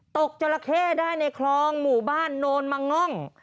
จราเข้ได้ในคลองหมู่บ้านโนนมะง่อง